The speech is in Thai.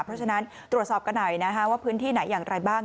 เพราะฉะนั้นตรวจสอบกันหน่อยว่าพื้นที่ไหนอย่างไรบ้าง